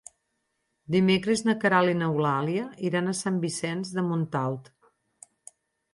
Dimecres na Queralt i n'Eulàlia iran a Sant Vicenç de Montalt.